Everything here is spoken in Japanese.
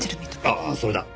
ああそれだ。